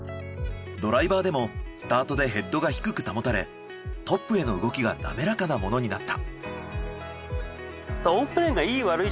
ドライバーでもスタートでヘッドが低く保たれトップへの動きがなめらかなものになった。